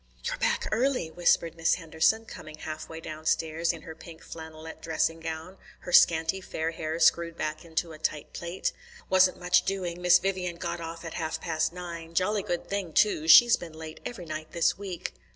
"You're back early," whispered Miss Henderson, coming halfway downstairs in her pink flannelette dressing gown, her scanty fair hair screwed back into a tight plait. "Wasn't much doing. Miss Vivian got off at half past nine. Jolly good thing, too; she's been late every night this week."